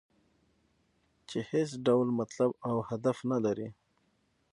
چې هېڅ ډول مطلب او هدف نه لري.